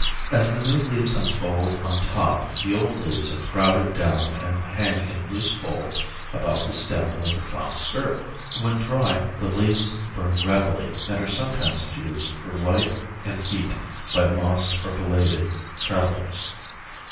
As the new leaves unfold on top the old leaves are crowded down and hang in loose folds about the stem like a flounced skirt. When dry the leaves burn readily, and are sometimes used for light and heat by lost or belated travelers.